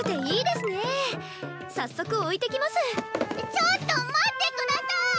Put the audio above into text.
ちょっと待って下さい！